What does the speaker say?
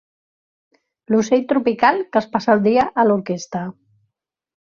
L'ocell tropical que es passa el dia a l'orquestra.